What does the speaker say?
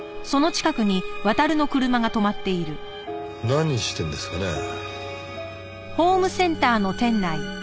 何してんですかねぇ？